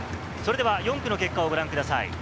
４区の結果をご覧ください。